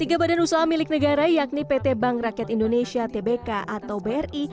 tiga badan usaha milik negara yakni pt bank rakyat indonesia tbk atau bri